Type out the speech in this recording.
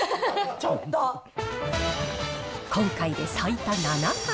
今回で最多７回。